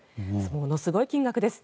ものすごい金額です。